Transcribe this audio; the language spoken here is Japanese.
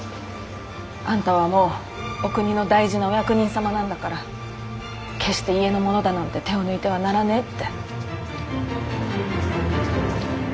あんたはもうお国の大事なお役人様なんだから決して家の者だなんて手を抜いてはならねぇって。